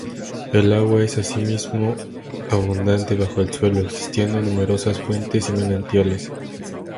El agua es asimismo abundante bajo el suelo, existiendo numerosas fuentes y manantiales.